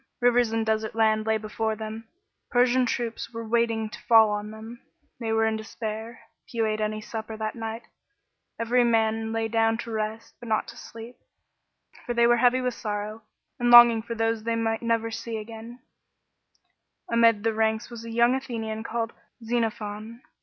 Rivers and desert land lay before them ; Persian troops were waiting to fall on them. They were in despair. Few ate any supper that Anight; every man lay down to rest, but not tp sleep, for they were heavy with sorrow, and longing for those they might never see again. 118 THE COURAGE OF XENOPHON. [B.C. 400. Amid the ranks was a young Athenian called Xenophon.